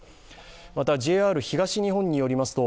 またＪＲ東日本によりますと